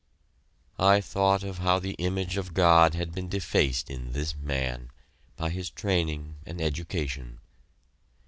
I thought of how the image of God had been defaced in this man, by his training and education.